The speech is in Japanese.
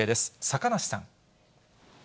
坂梨さん。